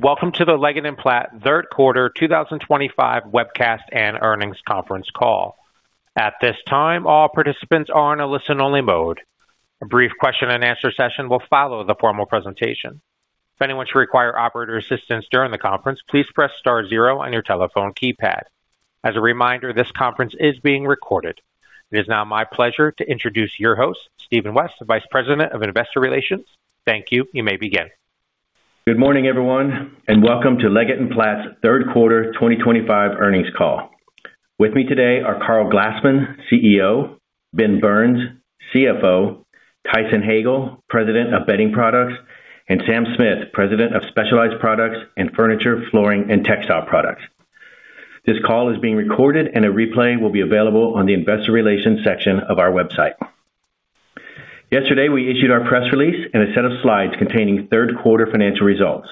Welcome to the Leggett & Platt third quarter 2025 webcast and earnings conference call. At this time, all participants are in a listen-only mode. A brief question-and-answer session will follow the formal presentation. If anyone should require operator assistance during the conference, please press star zero on your telephone keypad. As a reminder, this conference is being recorded. It is now my pleasure to introduce your host, Steve West, Vice President of Investor Relations. Thank you. You may begin. Good morning, everyone, and welcome to Leggett & Platt's third quarter 2025 earnings call. With me today are Karl Glassman, CEO, Ben Burns, CFO, Tyson Hagale, President of Bedding Products, and Sam Smith, President of Specialized Products and Furniture, Flooring, and Textile Products. This call is being recorded, and a replay will be available on the Investor Relations section of our website. Yesterday, we issued our press release and a set of slides containing third quarter financial results.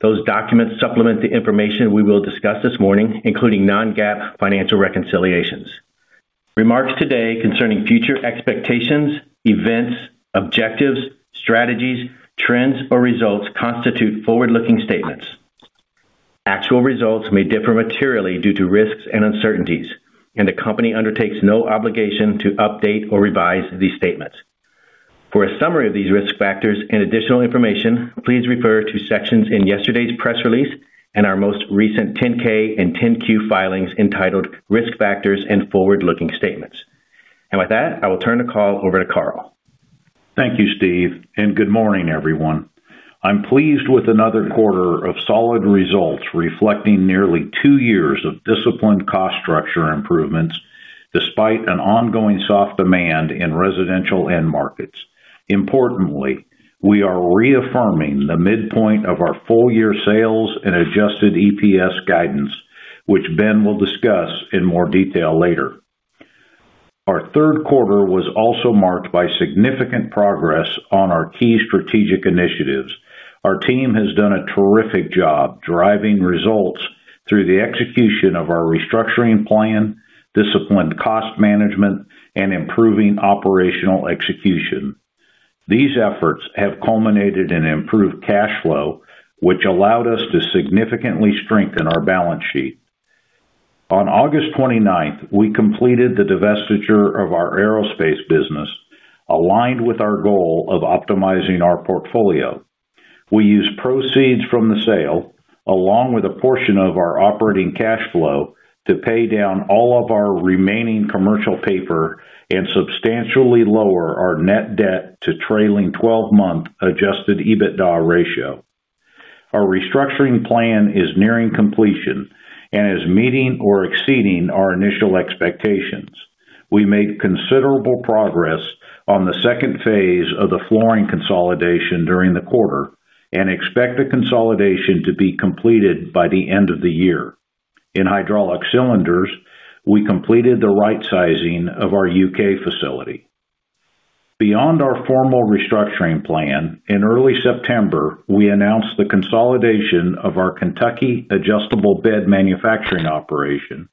Those documents supplement the information we will discuss this morning, including non-GAAP financial reconciliations. Remarks today concerning future expectations, events, objectives, strategies, trends, or results constitute forward-looking statements. Actual results may differ materially due to risks and uncertainties, and the company undertakes no obligation to update or revise these statements. For a summary of these risk factors and additional information, please refer to sections in yesterday's press release and our most recent 10-K and 10-Q filings entitled Risk Factors and Forward-Looking Statements. I will turn the call over to Karl. Thank you, Steve, and good morning, everyone. I'm pleased with another quarter of solid results reflecting nearly two years of disciplined cost structure improvements despite an ongoing soft demand in residential end markets. Importantly, we are reaffirming the midpoint of our full-year sales and adjusted EPS guidance, which Ben will discuss in more detail later. Our third quarter was also marked by significant progress on our key strategic initiatives. Our team has done a terrific job driving results through the execution of our restructuring plan, disciplined cost management, and improving operational execution. These efforts have culminated in improved cash flow, which allowed us to significantly strengthen our balance sheet. On August 29, we completed the divestiture of our aerospace business, aligned with our goal of optimizing our portfolio. We used proceeds from the sale, along with a portion of our operating cash flow, to pay down all of our remaining commercial paper and substantially lower our net debt to trailing 12-month adjusted EBITDA ratio. Our restructuring plan is nearing completion and is meeting or exceeding our initial expectations. We made considerable progress on the second phase of the flooring consolidation during the quarter and expect the consolidation to be completed by the end of the year. In hydraulic cylinders, we completed the right sizing of our U.K. facility. Beyond our formal restructuring plan, in early September, we announced the consolidation of our Kentucky adjustable bed manufacturing operation,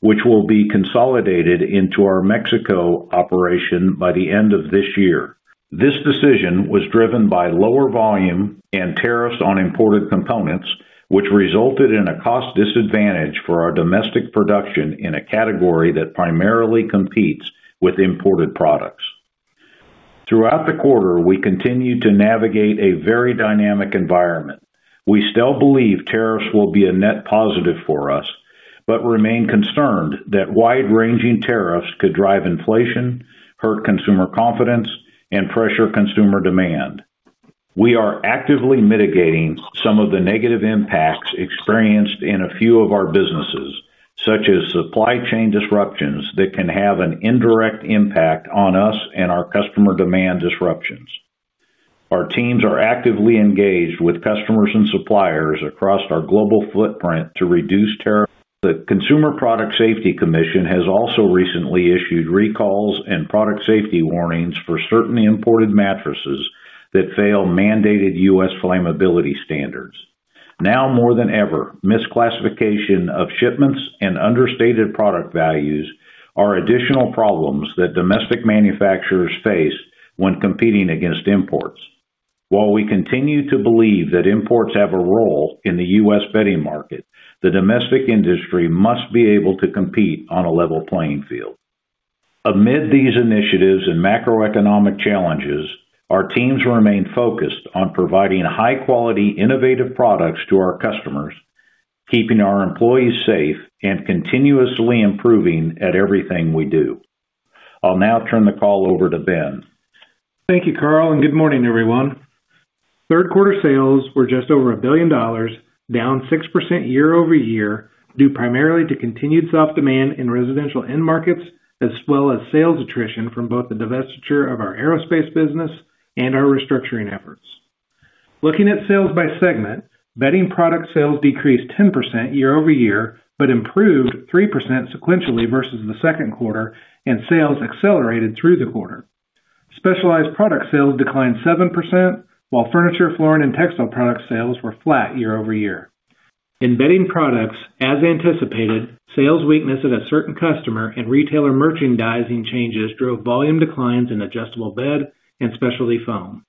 which will be consolidated into our Mexico operation by the end of this year. This decision was driven by lower volume and tariffs on imported components, which resulted in a cost disadvantage for our domestic production in a category that primarily competes with imported products. Throughout the quarter, we continue to navigate a very dynamic environment. We still believe tariffs will be a net positive for us, but remain concerned that wide-ranging tariffs could drive inflation, hurt consumer confidence, and pressure consumer demand. We are actively mitigating some of the negative impacts experienced in a few of our businesses, such as supply chain disruptions that can have an indirect impact on us and our customer demand disruptions. Our teams are actively engaged with customers and suppliers across our global footprint to reduce tariffs. The Consumer Product Safety Commission has also recently issued recalls and product safety warnings for certain imported mattresses that fail mandated U.S. flammability standards. Now more than ever, misclassification of shipments and understated product values are additional problems that domestic manufacturers face when competing against imports. While we continue to believe that imports have a role in the U.S. bedding market, the domestic industry must be able to compete on a level playing field. Amid these initiatives and macroeconomic challenges, our teams remain focused on providing high-quality, innovative products to our customers, keeping our employees safe, and continuously improving at everything we do. I'll now turn the call over to Ben. Thank you, Karl, and good morning, everyone. Third quarter sales were just over $1 billion, down 6% year-over-year, due primarily to continued soft demand in residential end markets, as well as sales attrition from both the divestiture of our aerospace business and our restructuring efforts. Looking at sales by segment, bedding product sales decreased 10% year-over-year, but improved 3% sequentially versus the second quarter, and sales accelerated through the quarter. Specialized product sales declined 7%, while furniture, flooring, and textile product sales were flat year over year. In bedding products, as anticipated, sales weakness at a certain customer and retailer merchandising changes drove volume declines in adjustable bed and specialty foam.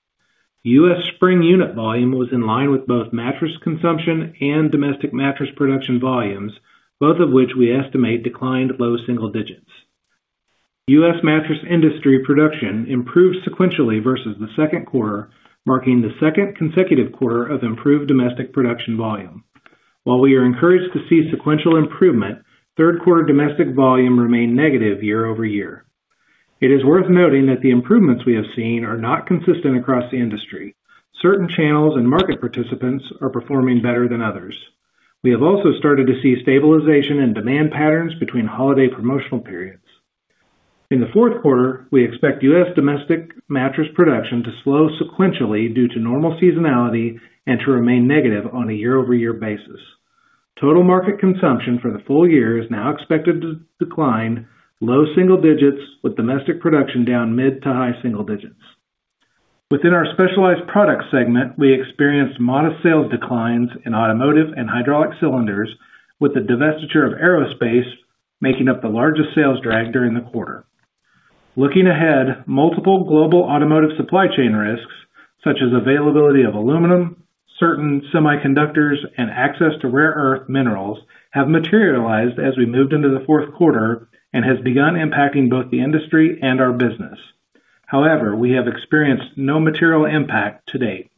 U.S. spring unit volume was in line with both mattress consumption and domestic mattress production volumes, both of which we estimate declined low single digits. U.S. mattress industry production improved sequentially versus the second quarter, marking the second consecutive quarter of improved domestic production volume. While we are encouraged to see sequential improvement, third quarter domestic volume remained negative year-over-year. It is worth noting that the improvements we have seen are not consistent across the industry. Certain channels and market participants are performing better than others. We have also started to see stabilization in demand patterns between holiday promotional periods. In the fourth quarter, we expect U.S. domestic mattress production to slow sequentially due to normal seasonality and to remain negative on a year-over-year basis. Total market consumption for the full year is now expected to decline low single digits, with domestic production down mid to high-single digits. Within our specialized product segment, we experienced modest sales declines in automotive and hydraulic cylinders, with the divestiture of aerospace making up the largest sales drag during the quarter. Looking ahead, multiple global automotive supply chain risks, such as availability of aluminum, certain semiconductors, and access to rare earth minerals, have materialized as we moved into the fourth quarter and have begun impacting both the industry and our business. However, we have experienced no material impact to date.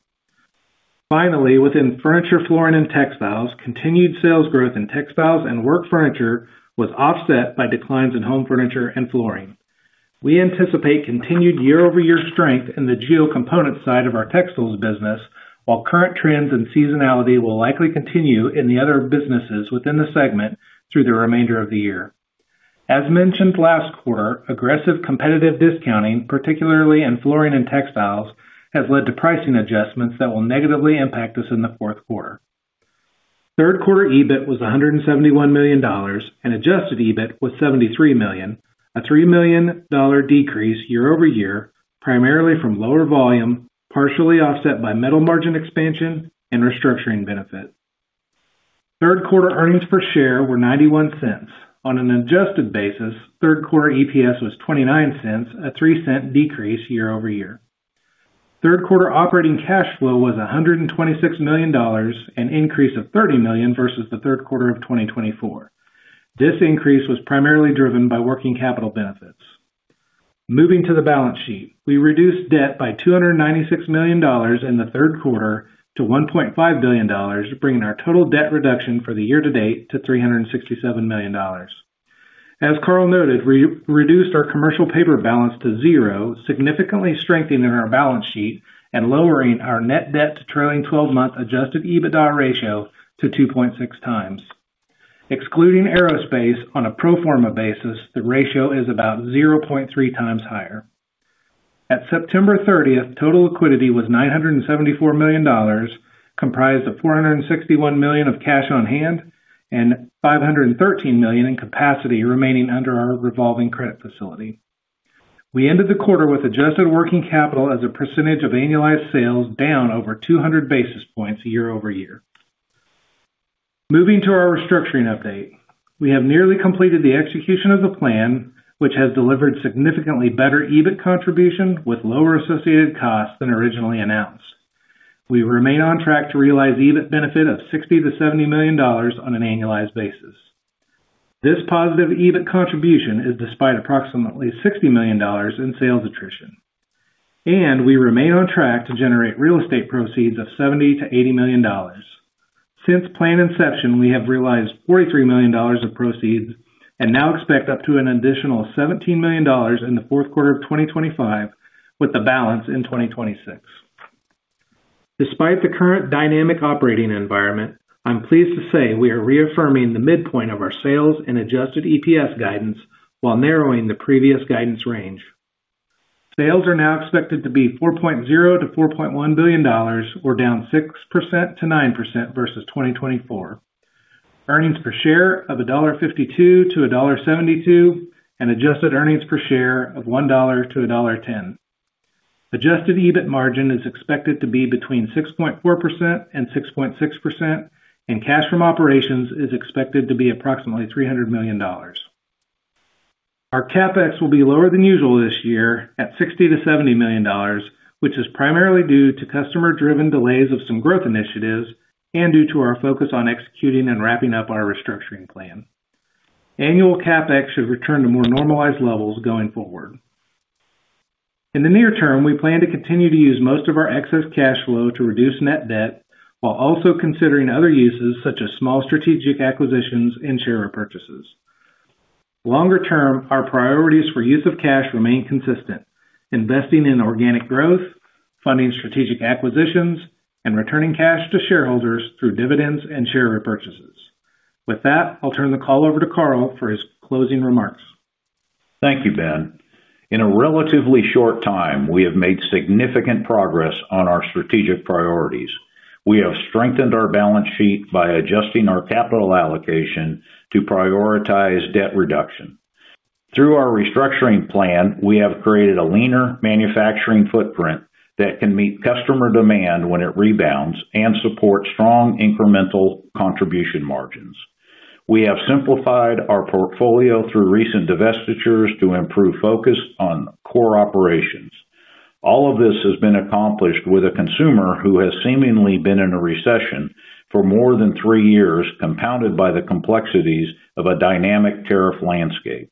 Finally, within furniture, flooring, and textiles, continued sales growth in textiles and work furniture was offset by declines in home furniture and flooring. We anticipate continued year-over-year strength in the geo components side of our textiles business, while current trends and seasonality will likely continue in the other businesses within the segment through the remainder of the year. As mentioned last quarter, aggressive competitive discounting, particularly in flooring and textiles, has led to pricing adjustments that will negatively impact us in the fourth quarter. Third quarter EBIT was $171 million and adjusted EBIT was $73 million, a $3 million decrease year-over-year, primarily from lower volume, partially offset by middle margin expansion and restructuring benefit. Third quarter earnings per share were $0.91. On an adjusted basis, third quarter EPS was $0.29, a $0.03 decrease year-over-year. Third quarter operating cash flow was $126 million, an increase of $30 million versus the third quarter of 2023. This increase was primarily driven by working capital benefits. Moving to the balance sheet, we reduced debt by $296 million in the third quarter to $1.5 billion, bringing our total debt reduction for the year to date to $367 million. As Karl noted, we reduced our commercial paper balance to zero, significantly strengthening our balance sheet and lowering our net debt to trailing 12-month adjusted EBITDA ratio to 2.6X. Excluding aerospace, on a pro forma basis, the ratio is about 0.3x higher. At September 30th, total liquidity was $974 million, comprised of $461 million of cash on hand and $513 million in capacity remaining under our revolving credit facility. We ended the quarter with adjusted working capital as a percentage of annualized sales down over 200 basis points year-over-year. Moving to our restructuring update, we have nearly completed the execution of the plan, which has delivered significantly better EBIT contribution with lower associated costs than originally announced. We remain on track to realize EBIT benefit of $60 million-$70 million on an annualized basis. This positive EBIT contribution is despite approximately $60 million in sales attrition. We remain on track to generate real estate proceeds of $70 million-$80 million. Since plan inception, we have realized $43 million of proceeds and now expect up to an additional $17 million in the fourth quarter of 2025, with the balance in 2026. Despite the current dynamic operating environment, I'm pleased to say we are reaffirming the midpoint of our sales and adjusted EPS guidance while narrowing the previous guidance range. Sales are now expected to be $4.0 billion-$4.1 billion, or down 6%-9% versus 2024. Earnings per share of $1.52-$1.72 and adjusted earnings per share of $1-$1.10. Adjusted EBIT margin is expected to be between 6.4% and 6.6%, and cash from operations is expected to be approximately $300 million. Our CapEx will be lower than usual this year at $60 million-$70 million, which is primarily due to customer-driven delays of some growth initiatives and due to our focus on executing and wrapping up our restructuring plan. Annual CapEx should return to more normalized levels going forward. In the near term, we plan to continue to use most of our excess cash flow to reduce net debt while also considering other uses, such as small strategic acquisitions and share repurchases. Longer term, our priorities for use of cash remain consistent: investing in organic growth, funding strategic acquisitions, and returning cash to shareholders through dividends and share repurchases. With that, I'll turn the call over to Karl for his closing remarks. Thank you, Ben. In a relatively short time, we have made significant progress on our strategic priorities. We have strengthened our balance sheet by adjusting our capital allocation to prioritize debt reduction. Through our restructuring plan, we have created a leaner manufacturing footprint that can meet customer demand when it rebounds and support strong incremental contribution margins. We have simplified our portfolio through recent divestitures to improve focus on core operations. All of this has been accomplished with a consumer who has seemingly been in a recession for more than three years, compounded by the complexities of a dynamic tariff landscape.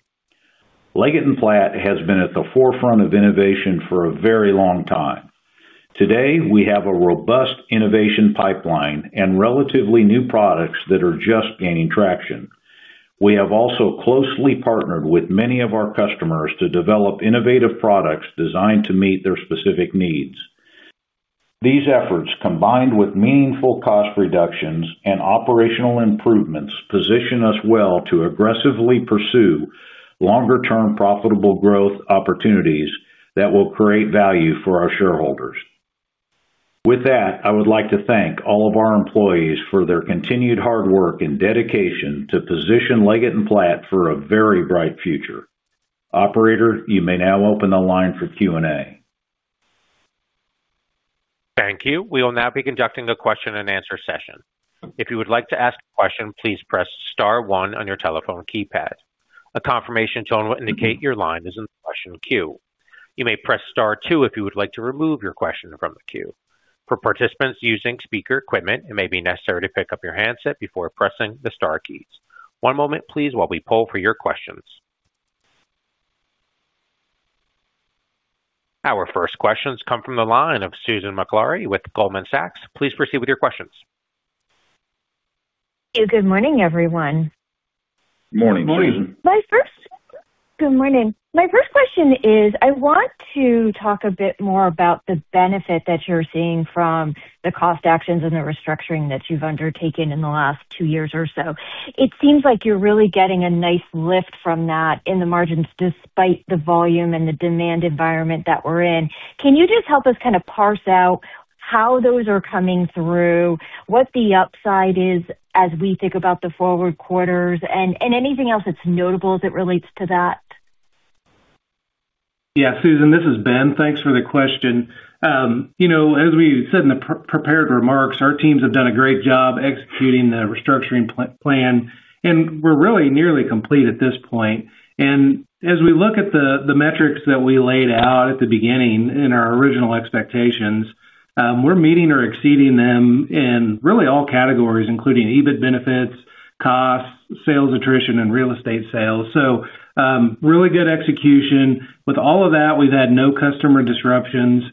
Leggett & Platt has been at the forefront of innovation for a very long time. Today, we have a robust innovation pipeline and relatively new products that are just gaining traction. We have also closely partnered with many of our customers to develop innovative products designed to meet their specific needs. These efforts, combined with meaningful cost reductions and operational improvements, position us well to aggressively pursue longer-term profitable growth opportunities that will create value for our shareholders. With that, I would like to thank all of our employees for their continued hard work and dedication to position Leggett & Platt for a very bright future. Operator, you may now open the line for Q&A. Thank you. We will now be conducting a question-and-answer session. If you would like to ask a question, please press star one on your telephone keypad. A confirmation tone will indicate your line is in the question queue. You may press star two if you would like to remove your question from the queue. For participants using speaker equipment, it may be necessary to pick up your handset before pressing the star keys. One moment, please, while we poll for your questions. Our first questions come from the line of Susan Maklari with Goldman Sachs. Please proceed with your questions. Good morning, everyone. Morning. Morning. Good morning. My first question is, I want to talk a bit more about the benefit that you're seeing from the cost actions and the restructuring that you've undertaken in the last two years or so. It seems like you're really getting a nice lift from that in the margins despite the volume and the demand environment that we're in. Can you just help us kind of parse out how those are coming through, what the upside is as we think about the forward quarters, and anything else that's notable as it relates to that? Yeah, Susan, this is Ben. Thanks for the question. As we said in the prepared remarks, our teams have done a great job executing the restructuring plan, and we're really nearly complete at this point. As we look at the metrics that we laid out at the beginning in our original expectations, we're meeting or exceeding them in really all categories, including EBIT benefits, costs, sales attrition, and real estate sales. Really good execution. With all of that, we've had no customer disruptions.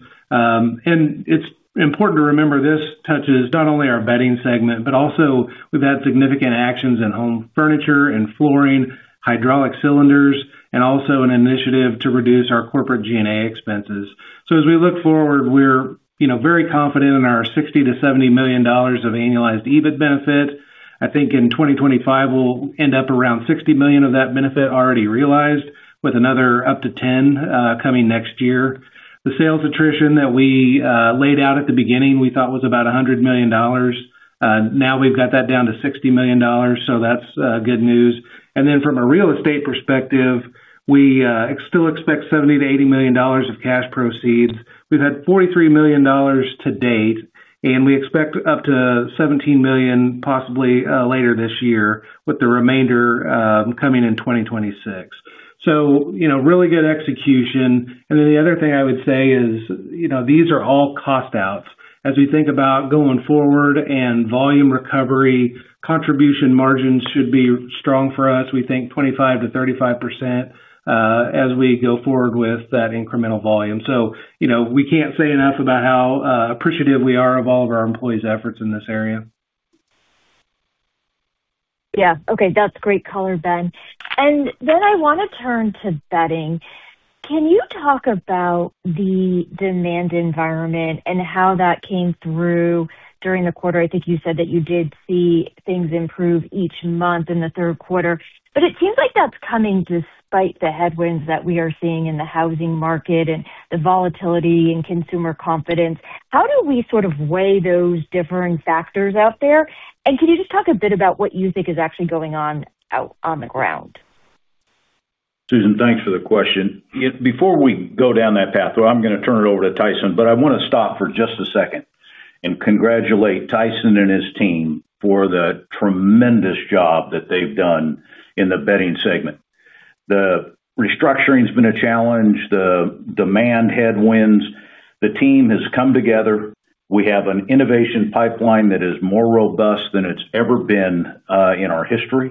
It's important to remember this touches not only our bedding segment, but also we've had significant actions in home furniture and flooring, hydraulic cylinders, and also an initiative to reduce our corporate G&A expenses. As we look forward, we're very confident in our $60 million-$70 million of annualized EBIT benefit. I think in 2025, we'll end up around $60 million of that benefit already realized, with another up to $10 million coming next year. The sales attrition that we laid out at the beginning we thought was about $100 million. Now we've got that down to $60 million, so that's good news. From a real estate perspective, we still expect $70 million-$80 million of cash proceeds. We've had $43 million to date, and we expect up to $17 million possibly later this year, with the remainder coming in 2026. Really good execution. The other thing I would say is these are all cost outs. As we think about going forward and volume recovery, contribution margins should be strong for us. We think 25%-35% as we go forward with that incremental volume. We can't say enough about how appreciative we are of all of our employees' efforts in this area. Yeah, okay, that's great color, Ben. I want to turn to bedding. Can you talk about the demand environment and how that came through during the quarter? I think you said that you did see things improve each month in the third quarter, but it seems like that's coming despite the headwinds that we are seeing in the housing market and the volatility in consumer confidence. How do we sort of weigh those differing factors out there? Can you just talk a bit about what you think is actually going on out on the ground? Susan, thanks for the question. Before we go down that path, I'm going to turn it over to Tyson, but I want to stop for just a second and congratulate Tyson and his team for the tremendous job that they've done in the bedding segment. The restructuring has been a challenge, the demand headwinds, the team has come together. We have an innovation pipeline that is more robust than it's ever been in our history.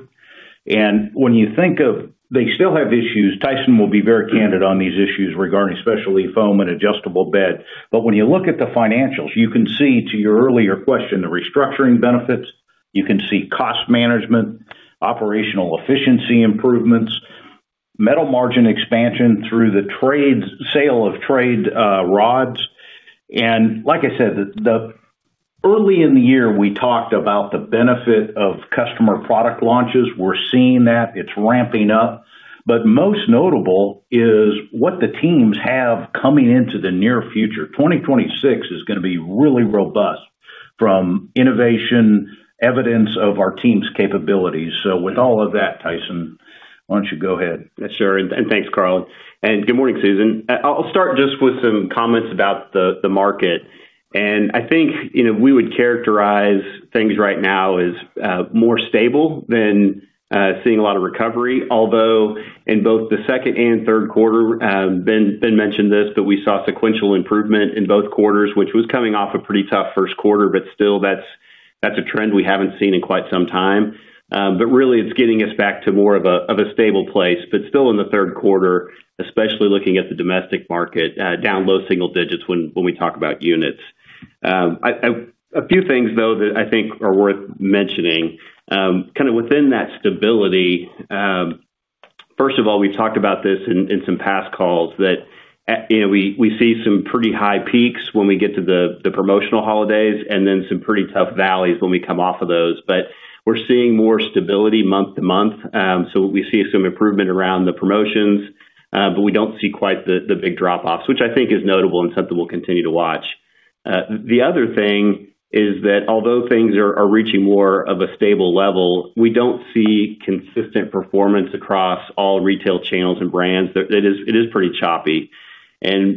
When you think of, they still have issues. Tyson will be very candid on these issues regarding specialty foam and adjustable bed. When you look at the financials, you can see, to your earlier question, the restructuring benefits. You can see cost management, operational efficiency improvements, metal margin expansion through the sale of trade rods. Like I said, early in the year, we talked about the benefit of customer product launches. We're seeing that it's ramping up. Most notable is what the teams have coming into the near future. 2026 is going to be really robust from innovation, evidence of our team's capabilities. With all of that, Tyson, why don't you go ahead? Sure, and thanks, Karl, and good morning, Susan. I'll start just with some comments about the market. I think, you know, we would characterize things right now as more stable than seeing a lot of recovery, although in both the second and third quarter, Ben mentioned this, but we saw sequential improvement in both quarters, which was coming off a pretty tough first quarter. Still, that's a trend we haven't seen in quite some time. It's getting us back to more of a stable place, but still in the third quarter, especially looking at the domestic market down low single digits when we talk about units. A few things that I think are worth mentioning: within that stability, first of all, we've talked about this in some past calls that, you know, we see some pretty high peaks when we get to the promotional holidays and then some pretty tough valleys when we come off of those. We're seeing more stability month to month. We see some improvement around the promotions, but we don't see quite the big drop-offs, which I think is notable and something we'll continue to watch. The other thing is that although things are reaching more of a stable level, we don't see consistent performance across all retail channels and brands. It is pretty choppy.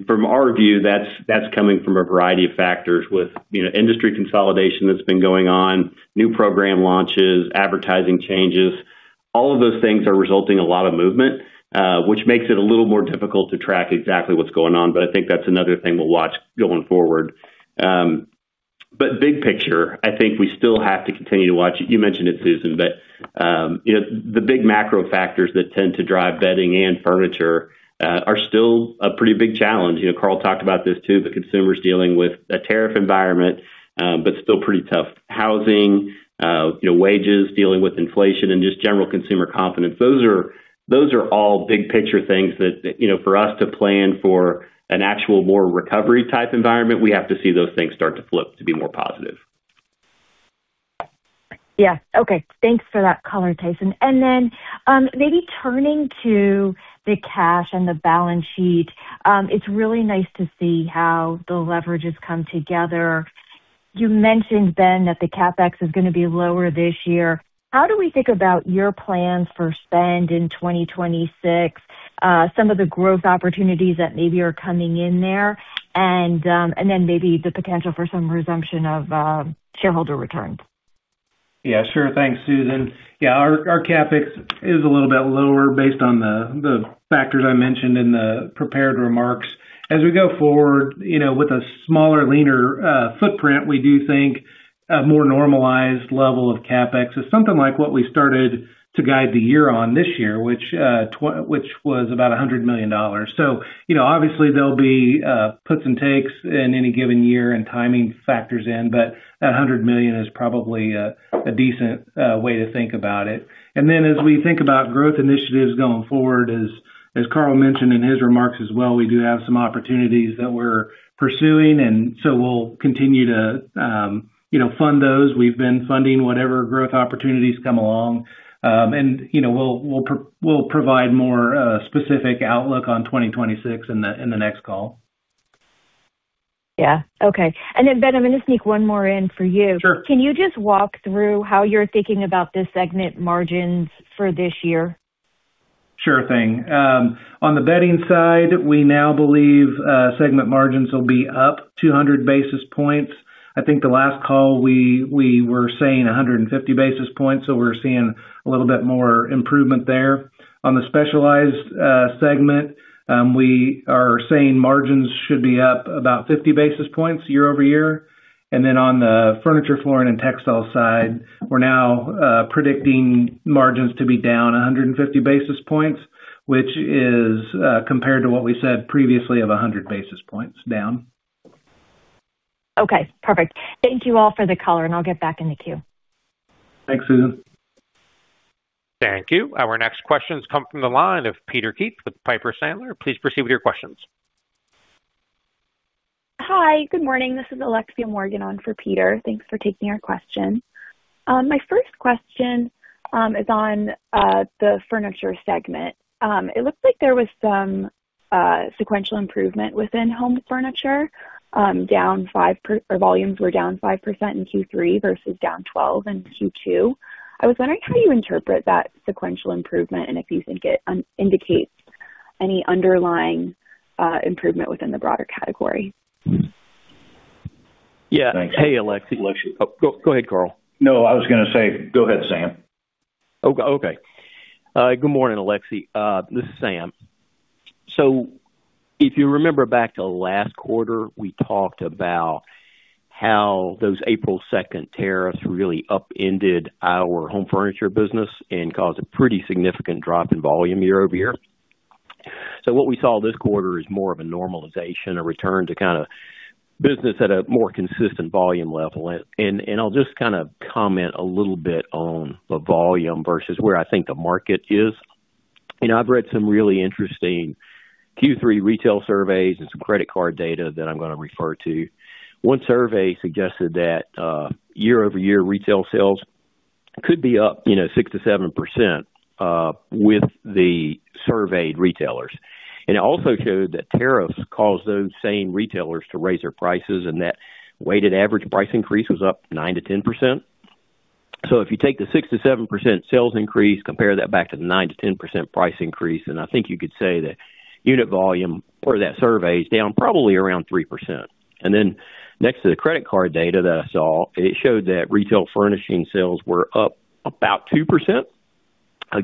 From our view, that's coming from a variety of factors with industry consolidation that's been going on, new program launches, advertising changes. All of those things are resulting in a lot of movement, which makes it a little more difficult to track exactly what's going on. I think that's another thing we'll watch going forward. Big picture, I think we still have to continue to watch it. You mentioned it, Susan, but, you know, the big macro factors that tend to drive bedding and furniture are still a pretty big challenge. Karl talked about this too, but consumers dealing with a tariff environment, but still pretty tough housing, you know, wages dealing with inflation and just general consumer confidence. Those are all big picture things that, you know, for us to plan for an actual more recovery type environment, we have to see those things start to flip to be more positive. Yeah, okay, thanks for that color, Tyson. Maybe turning to the cash and the balance sheet, it's really nice to see how the leverages come together. You mentioned, Ben, that the CapEx is going to be lower this year. How do we think about your plans for spend in 2026, some of the growth opportunities that maybe are coming in there, and maybe the potential for some resumption of shareholder returns? Yeah, sure, thanks, Susan. Our CapEx is a little bit lower based on the factors I mentioned in the prepared remarks. As we go forward, with a smaller, leaner footprint, we do think a more normalized level of CapEx is something like what we started to guide the year on this year, which was about $100 million. Obviously, there'll be puts and takes in any given year and timing factors in, but that $100 million is probably a decent way to think about it. As we think about growth initiatives going forward, as Karl mentioned in his remarks as well, we do have some opportunities that we're pursuing, and we'll continue to fund those. We've been funding whatever growth opportunities come along. We'll provide more specific outlook on 2026 in the next call. Okay. Ben, I'm going to sneak one more in for you. Can you just walk through how you're thinking about the segment margins for this year? Sure thing. On the bedding side, we now believe segment margins will be up 200 basis points. I think the last call we were saying 150 basis points, so we're seeing a little bit more improvement there. On the specialized segment, we are saying margins should be up about 50 basis points year-over-year. On the furniture, flooring, and textile side, we're now predicting margins to be down 150 basis points, which is compared to what we said previously of 100 basis points down. Okay, perfect. Thank you all for the color, and I'll get back in the queue. Thanks, Susan. Thank you. Our next questions come from the line of Peter Keith with Piper Sandler. Please proceed with your questions. Hi, good morning. This is Alexia Morgan on for Peter. Thanks for taking your question. My first question is on the furniture segment. It looks like there was some sequential improvement within home furniture. Down 5% or volumes were down 5% in Q3 versus down 12% in Q2. I was wondering how you interpret that sequential improvement and if you think it indicates any underlying improvement within the broader category. Yeah. Hey, Alexia. Go ahead, Karl. No, I was going to say, go ahead, Sam. Oh, okay. Good morning, Alexia. This is Sam. If you remember back to last quarter, we talked about how those April 2nd tariffs really upended our home furniture business and caused a pretty significant drop in volume year over year. What we saw this quarter is more of a normalization, a return to kind of business at a more consistent volume level. I'll just kind of comment a little bit on the volume versus where I think the market is. I've read some really interesting Q3 retail surveys and some credit card data that I'm going to refer to. One survey suggested that year-over-year retail sales could be up 6%-7% with the surveyed retailers. It also showed that tariffs caused those same retailers to raise their prices and that weighted average price increase was up 9%-10%. If you take the 6%-7% sales increase, compare that back to the 9%-10% price increase, then I think you could say that unit volume for that survey is down probably around 3%. Next to the credit card data that I saw, it showed that retail furnishing sales were up about 2%. I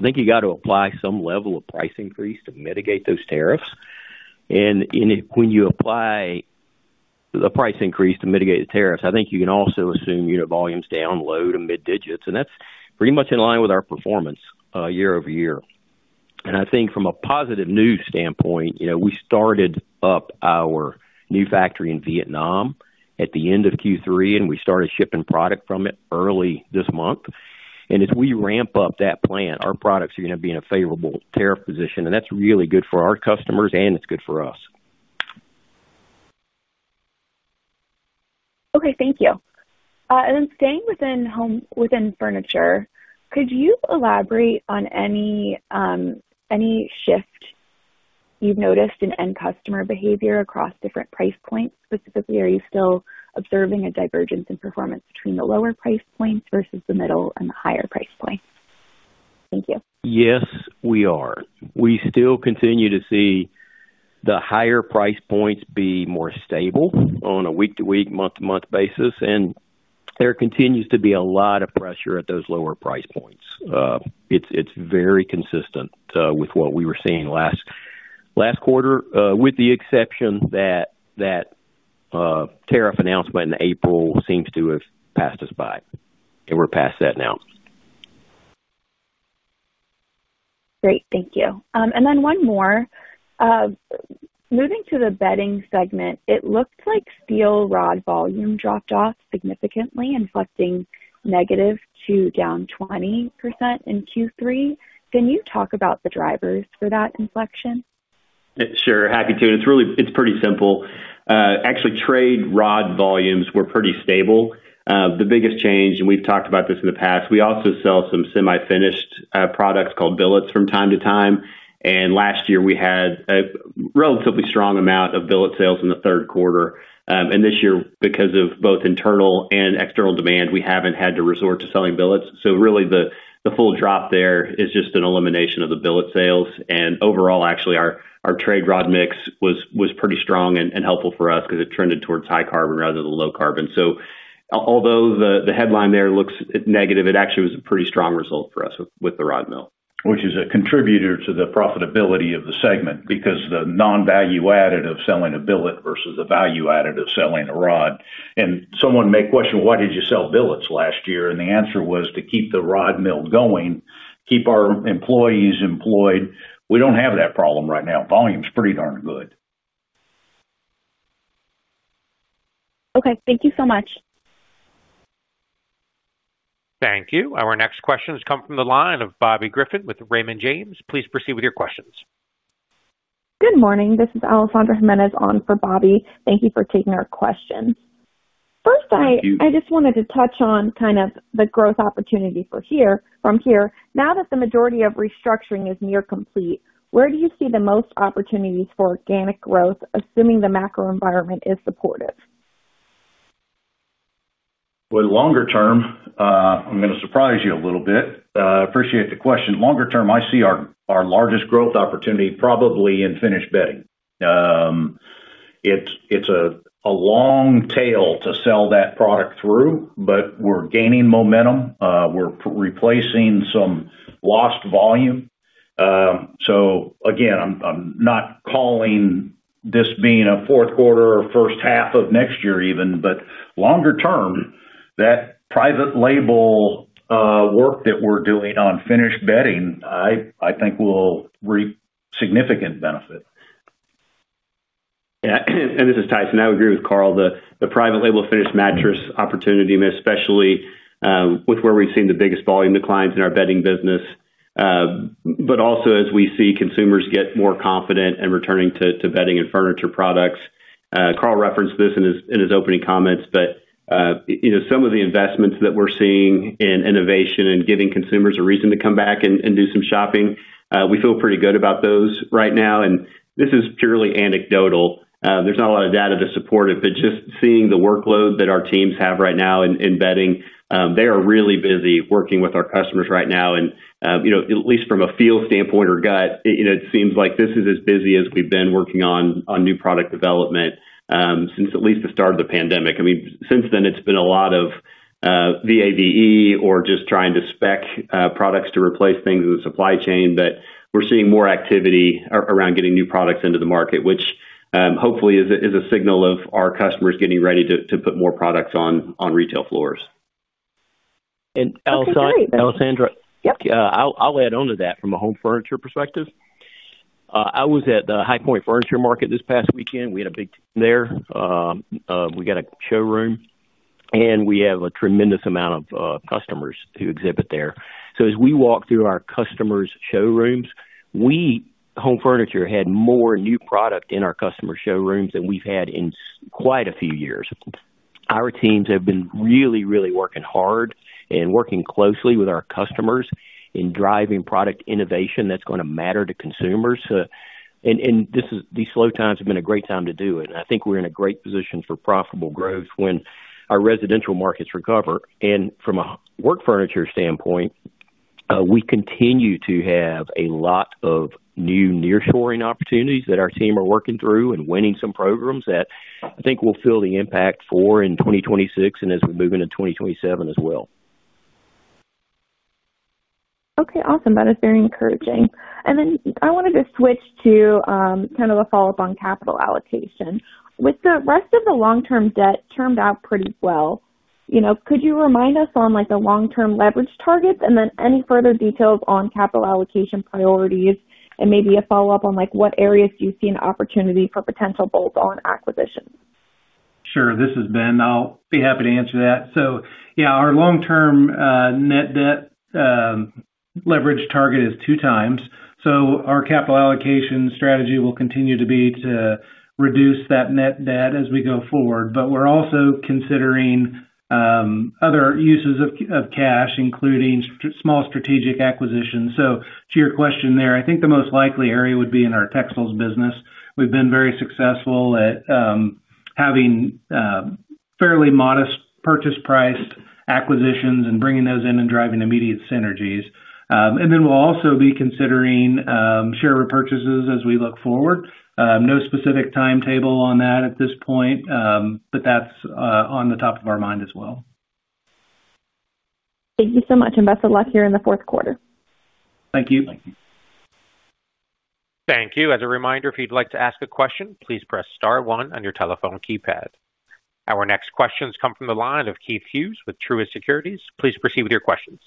think you got to apply some level of price increase to mitigate those tariffs. When you apply a price increase to mitigate the tariffs, I think you can also assume unit volume's down low to mid-digits. That's pretty much in line with our performance year-over-year. I think from a positive news standpoint, we started up our new factory in Vietnam at the end of Q3, and we started shipping product from it early this month. If we ramp up that plant, our products are going to be in a favorable tariff position. That's really good for our customers, and it's good for us. Okay, thank you. Staying within home within furniture, could you elaborate on any shift you've noticed in end customer behavior across different price points specifically? Are you still observing a divergence in performance between the lower price points versus the middle and the higher price points? Thank you. Yes, we are. We still continue to see the higher price points be more stable on a week-to-week, month-to-month basis. There continues to be a lot of pressure at those lower price points. It's very consistent with what we were seeing last quarter, with the exception that the tariff announcement in April seems to have passed us by. We're past that now. Great, thank you. One more. Moving to the bedding segment, it looked like steel rod volume dropped off significantly, inflecting negative to down 20% in Q3. Can you talk about the drivers for that inflection? Sure, happy to. It's really, it's pretty simple. Actually, trade rod volumes were pretty stable. The biggest change, and we've talked about this in the past, we also sell some semi-finished products called billets from time to time. Last year, we had a relatively strong amount of billet sales in the third quarter. This year, because of both internal and external demand, we haven't had to resort to selling billets. Really, the full drop there is just an elimination of the billet sales. Overall, actually, our trade rod mix was pretty strong and helpful for us because it trended towards high carbon rather than low carbon. Although the headline there looks negative, it actually was a pretty strong result for us with the rod mill. Which is a contributor to the profitability of the segment because the non-value added of selling a billet versus the value added of selling a rod. Someone may question, why did you sell billets last year? The answer was to keep the rod mill going, keep our employees employed. We don't have that problem right now. Volume's pretty darn good. Okay, thank you so much. Thank you. Our next questions come from the line of Bobby Griffin with Raymond James. Please proceed with your questions. Good morning. This is Alessandra Jimenez on for Bobby. Thank you for taking our question. First, I just wanted to touch on kind of the growth opportunity from here. Now that the majority of restructuring is near complete, where do you see the most opportunities for organic growth, assuming the macro environment is supportive? I appreciate the question. Longer term, I see our largest growth opportunity probably in finished bedding. It's a long tail to sell that product through, but we're gaining momentum. We're replacing some lost volume. I'm not calling this being a fourth quarter or first half of next year even, but longer term, that private label work that we're doing on finished bedding, I think will reap significant benefit. Yeah, this is Tyson. I agree with Karl. The private label finished mattress opportunity, especially with where we've seen the biggest volume declines in our bedding business, but also as we see consumers get more confident and returning to bedding and furniture products. Karl referenced this in his opening comments, but some of the investments that we're seeing in innovation and giving consumers a reason to come back and do some shopping, we feel pretty good about those right now. This is purely anecdotal. There's not a lot of data to support it, but just seeing the workload that our teams have right now in bedding, they are really busy working with our customers right now. At least from a feel standpoint or gut, it seems like this is as busy as we've been working on new product development since at least the start of the pandemic. Since then, it's been a lot of VAVE or just trying to spec products to replace things in the supply chain, but we're seeing more activity around getting new products into the market, which hopefully is a signal of our customers getting ready to put more products on retail floors. Alessandra, I'll add on to that from a home furniture perspective. I was at the High Point Furniture Market this past weekend. We had a big team there. We got a showroom, and we have a tremendous amount of customers who exhibit there. As we walk through our customers' showrooms, we, home furniture, had more new product in our customer showrooms than we've had in quite a few years. Our teams have been really, really working hard and working closely with our customers in driving product innovation that's going to matter to consumers. These slow times have been a great time to do it. I think we're in a great position for profitable growth when our residential markets recover. From a work furniture standpoint, we continue to have a lot of new nearshoring opportunities that our team are working through and winning some programs that I think will fill the impact for in 2026 and as we move into 2027 as well. Okay, awesome. That is very encouraging. I wanted to switch to kind of a follow-up on capital allocation. With the rest of the long-term debt termed out pretty well, could you remind us on the long-term leverage targets and any further details on capital allocation priorities, and maybe a follow-up on what areas do you see an opportunity for potential bolt-on acquisitions? Sure, this is Ben. I'll be happy to answer that. Our long-term net debt leverage target is 2x. Our capital allocation strategy will continue to be to reduce that net debt as we go forward. We're also considering other uses of cash, including small strategic acquisitions. To your question there, I think the most likely area would be in our textiles business. We've been very successful at having fairly modest purchase price acquisitions and bringing those in and driving immediate synergies. We'll also be considering share repurchases as we look forward. No specific timetable on that at this point, but that's on the top of our mind as well. Thank you so much, and best of luck here in the fourth quarter. Thank you. Thank you. As a reminder, if you'd like to ask a question, please press star one on your telephone keypad. Our next questions come from the line of Keith Hughes with Truist Securities. Please proceed with your questions.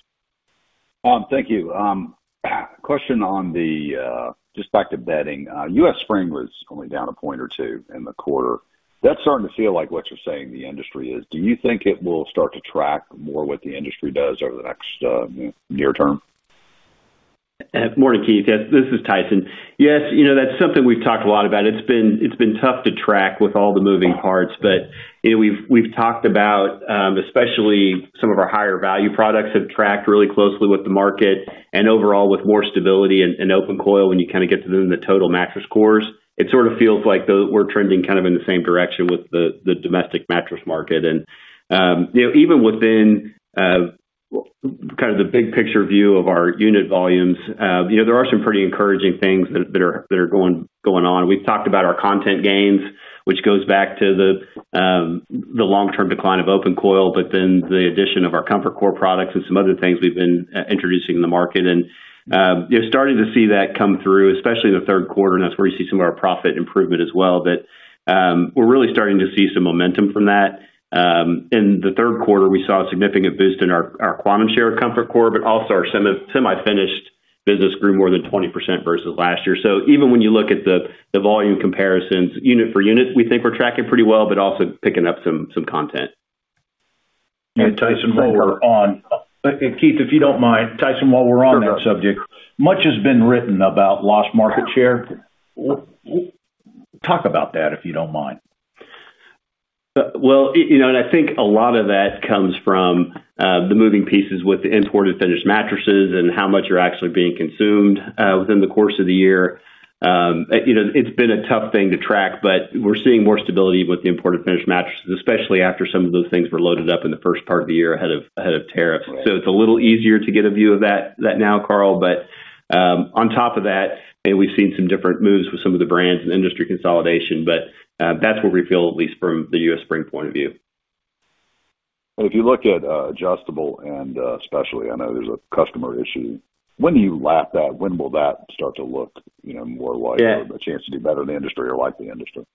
Thank you. A question on the, just back to bedding. U.S. Spring was only down a point or two in the quarter. That's starting to feel like what you're saying the industry is. Do you think it will start to track more what the industry does over the next near term? Morning, Keith. Yes, this is Tyson. Yes, you know, that's something we've talked a lot about. It's been tough to track with all the moving parts, but you know, we've talked about especially some of our higher value products have tracked really closely with the market and overall with more stability and open coil when you kind of get to them in the total mattress cores. It sort of feels like though we're trending kind of in the same direction with the domestic mattress market. You know, even within kind of the big picture view of our unit volumes, there are some pretty encouraging things that are going on. We've talked about our content gains, which goes back to the long-term decline of open coil, but then the addition of our Comfort Core products and some other things we've been introducing in the market. You're starting to see that come through, especially in the third quarter, and that's where you see some of our profit improvement as well, that we're really starting to see some momentum from that. In the third quarter, we saw a significant boost in our Comfort Core, but also our semi-finished business grew more than 20% versus last year. Even when you look at the volume comparisons, unit for unit, we think we're tracking pretty well, but also picking up some content. Tyson, while we're on that subject, much has been written about lost market share. Talk about that if you don't mind. I think a lot of that comes from the moving pieces with the imported finished mattresses and how much are actually being consumed within the course of the year. It's been a tough thing to track, but we're seeing more stability with the imported finished mattresses, especially after some of those things were loaded up in the first part of the year ahead of tariffs. It's a little easier to get a view of that now, Karl. On top of that, we've seen some different moves with some of the brands and industry consolidation, but that's what we feel at least from the U.S. Spring point of view. If you look at adjustable and especially, I know there's a customer issue. When do you laugh at? When will that start to look, you know, more like a chance to do better in the industry or like the industry?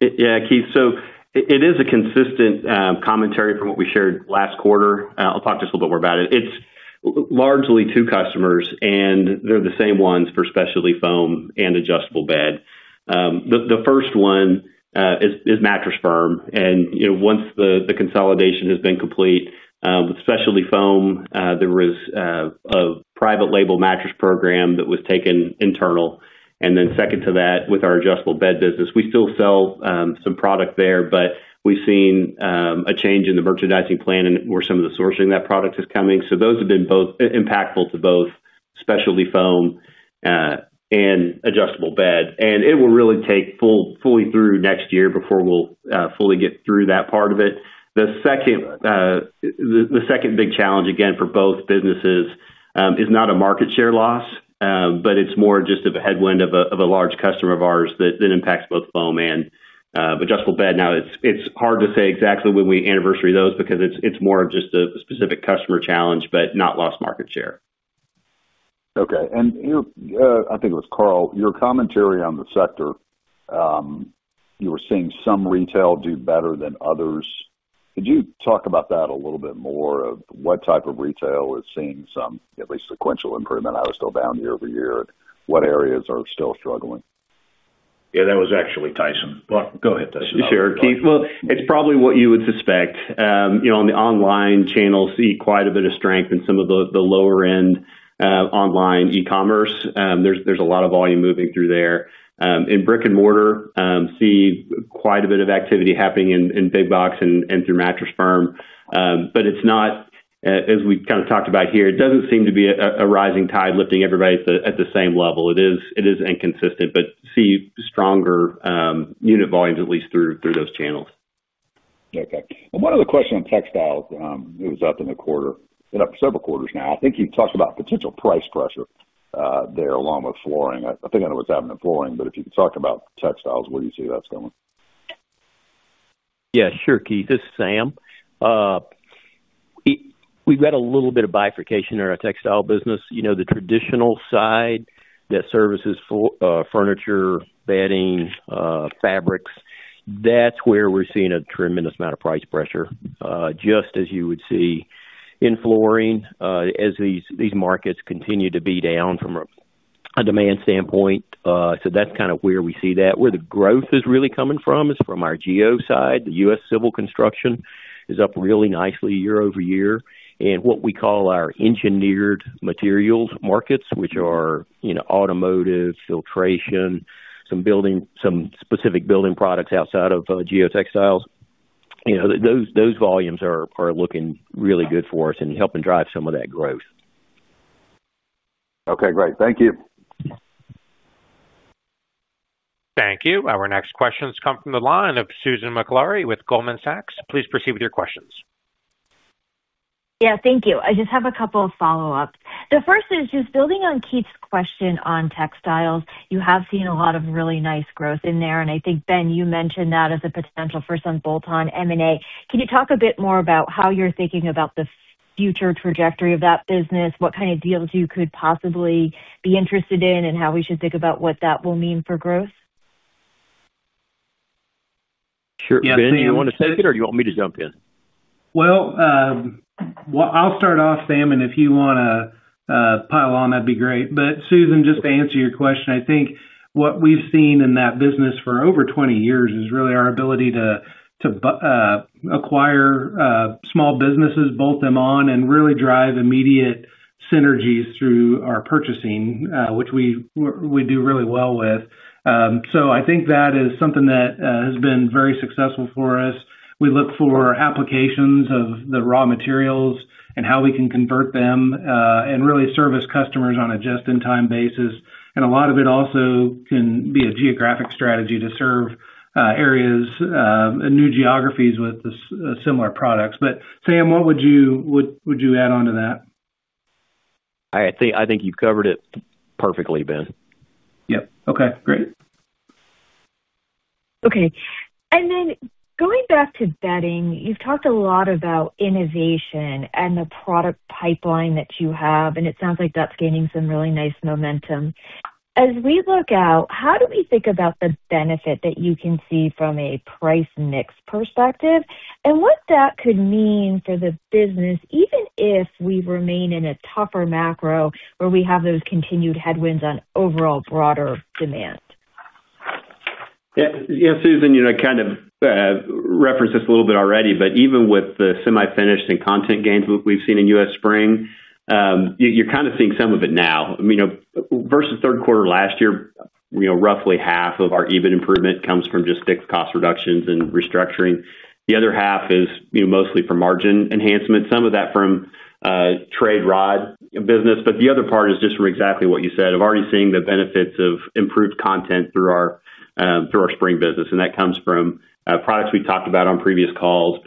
Yeah, Keith, so it is a consistent commentary from what we shared last quarter. I'll talk just a little bit more about it. It's largely two customers, and they're the same ones for specialty foam and adjustable bed. The first one is Mattress Firm. You know, once the consolidation has been complete with specialty foam, there was a private label mattress program that was taken internal. Second to that, with our adjustable bed business, we still sell some product there, but we've seen a change in the merchandising plan and where some of the sourcing of that product is coming. Those have been both impactful to both specialty foam and adjustable bed. It will really take fully through next year before we'll fully get through that part of it. The second big challenge, again, for both businesses is not a market share loss, but it's more just of a headwind of a large customer of ours that impacts both foam and adjustable bed. Now, it's hard to say exactly when we anniversary those because it's more of just a specific customer challenge, but not lost market share. Okay, I think it was Karl, your commentary on the sector, you were seeing some retail do better than others. Could you talk about that a little bit more, what type of retail is seeing some at least sequential improvement? It was still down year over year. What areas are still struggling? Yeah, that was actually Tyson. Go ahead, Tyson. Sure, Keith. It's probably what you would suspect. On the online channels, see quite a bit of strength in some of the lower-end online e-commerce. There's a lot of volume moving through there. In brick-and-mortar, see quite a bit of activity happening in big box and through Mattress Firm. It's not, as we kind of talked about here, a rising tide lifting everybody at the same level. It is inconsistent, but see stronger unit volumes at least through those channels. Okay. One other question on textiles, it was up in the quarter, it's up several quarters now. I think you've talked about potential price pressure there along with flooring. I think I know what's happening in flooring, but if you could talk about textiles, where do you see that's going? Yeah, sure, Keith. This is Sam. We've had a little bit of bifurcation in our textile business. The traditional side that services furniture, bedding, fabrics, that's where we're seeing a tremendous amount of price pressure, just as you would see in flooring as these markets continue to be down from a demand standpoint. That's kind of where we see that. Where the growth is really coming from is from our geo side. The U.S. civil construction is up really nicely year-over-year. What we call our engineered materials markets, which are automotive, filtration, some building, some specific building products outside of geo textiles, those volumes are looking really good for us and helping drive some of that growth. Okay, great. Thank you. Thank you. Our next questions come from the line of Susan Maklari with Goldman Sachs. Please proceed with your questions. Thank you. I just have a couple of follow-ups. The first is just building on Keith's question on textiles. You have seen a lot of really nice growth in there. I think, Ben, you mentioned that as a potential for some bolt-on M&A. Can you talk a bit more about how you're thinking about the future trajectory of that business? What kind of deals you could possibly be interested in and how we should think about what that will mean for growth? Sure, Ben, you want to take it or do you want me to jump in? Sam, if you want to pile on, that'd be great. Susan, just to answer your question, I think what we've seen in that business for over 20 years is really our ability to acquire small businesses, bolt them on, and really drive immediate synergies through our purchasing, which we do really well with. I think that is something that has been very successful for us. We look for applications of the raw materials and how we can convert them and really service customers on a just-in-time basis. A lot of it also can be a geographic strategy to serve areas and new geographies with similar products. Sam, what would you add on to that? I think you've covered it perfectly, Ben. Okay, great. Okay. Going back to bedding, you've talked a lot about innovation and the product pipeline that you have, and it sounds like that's gaining some really nice momentum. As we look out, how do we think about the benefit that you can see from a price mix perspective and what that could mean for the business, even if we remain in a tougher macro where we have those continued headwinds on overall broader demand? Yeah, Susan, you know, kind of referenced this a little bit already, but even with the semi-finished and content gains we've seen in U.S. Spring, you're kind of seeing some of it now. Versus third quarter last year, roughly half of our EBIT improvement comes from just fixed cost reductions and restructuring. The other half is mostly from margin enhancement, some of that from trade rod business, but the other part is just from exactly what you said of already seeing the benefits of improved content through our spring business. That comes from products we've talked about on previous calls.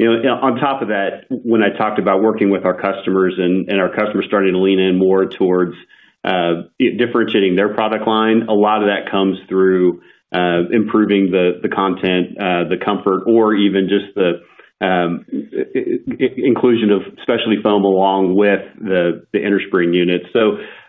On top of that, when I talked about working with our customers and our customers starting to lean in more towards differentiating their product line, a lot of that comes through improving the content, the comfort, or even just the inclusion of specialty foam along with the innerspring units.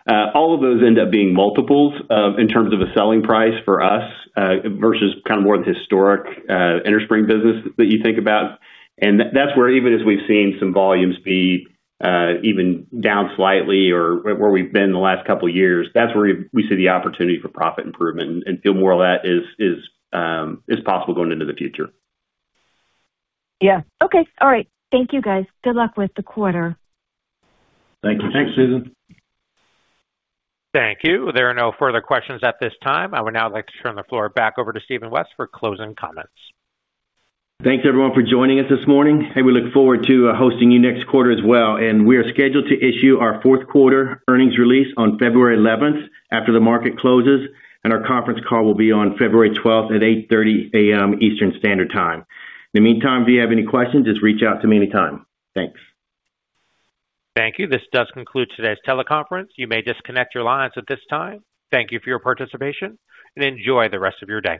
All of those end up being multiples in terms of a selling price for us versus more of the historic innerspring business that you think about. That's where even as we've seen some volumes be even down slightly or where we've been in the last couple of years, that's where we see the opportunity for profit improvement and feel more of that is possible going into the future. Yeah, okay. All right. Thank you, guys. Good luck with the quarter. Thank you. Thanks, Susan. Thank you. There are no further questions at this time. I would now like to turn the floor back over to Steve West for closing comments. Thanks, everyone, for joining us this morning. We look forward to hosting you next quarter as well. We are scheduled to issue our fourth quarter earnings release on February 11 after the market closes, and our conference call will be on February 12 at 8:30 A.M. Eastern Standard Time. In the meantime, if you have any questions, just reach out to me anytime. Thanks. Thank you. This does conclude today's teleconference. You may disconnect your lines at this time. Thank you for your participation and enjoy the rest of your day.